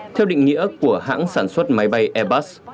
theo định nghĩa của hãng sản xuất máy bay airbus